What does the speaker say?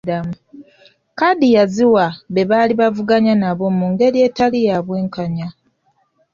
Kkaadi yaziwa be baali bavuganya nabo mu ngeri etali ya bwenkanya.